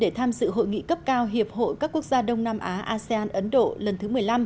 để tham dự hội nghị cấp cao hiệp hội các quốc gia đông nam á asean ấn độ lần thứ một mươi năm